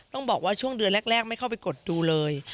ต้องบอกว่าช่วงเดือนแรกไม่เข้าไปกดดูเลย